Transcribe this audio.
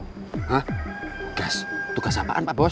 hah tugas tugas apaan pak bos